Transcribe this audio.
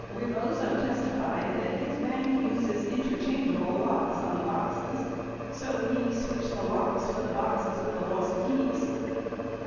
80 Rebozo testi fied that his bank uses interchangeable locks on the boxes, so he switched locks for the boxes with the lost keys.